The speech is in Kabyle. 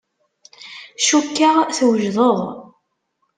Cukkeɣ twejdeḍ.